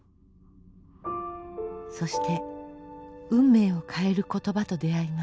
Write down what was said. そして運命を変える言葉と出会います。